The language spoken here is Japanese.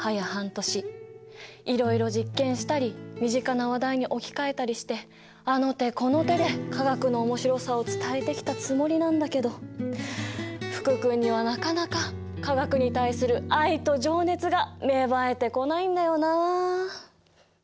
いろいろ実験したり身近な話題に置き換えたりしてあの手この手で化学の面白さを伝えてきたつもりなんだけど福君にはなかなか化学に対する愛と情熱が芽生えてこないんだよな。